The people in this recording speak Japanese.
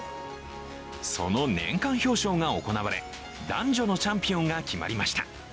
その年間表彰が行われ、男女のチャンピオンが決まりました。